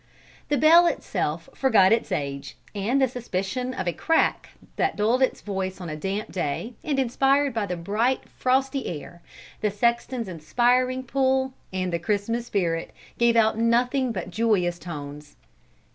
The bell itself forgot its age and the suspicion of a crack that dulled its voice on a damp day, and, inspired by the bright, frosty air, the sexton's inspiring pull, and the Christmas spirit, gave out nothing but joyous tones.